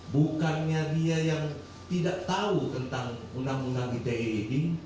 bukannya dia yang tidak tahu tentang undang undang ite ini